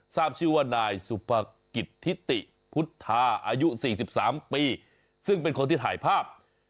ทราบชื่อว่านายสุภกิจทิติพุทธาอายุ๔๓ปีซึ่งเป็นคนที่ถ่ายภาพ